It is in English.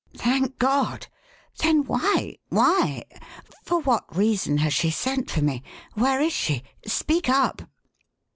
"Thank God! Then why? Why? For what reason has she sent for me? Where is she? Speak up!"